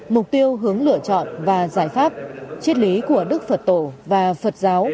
mục tiêu hướng lựa chọn và giải pháp triết lý của đức phật tổ và phật giáo